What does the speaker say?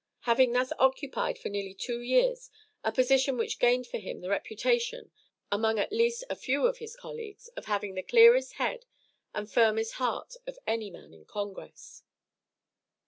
Having thus occupied for nearly two years a position which gained for him the reputation, among at least a few of his colleagues, of having "the clearest head and firmest heart of any man in Congress."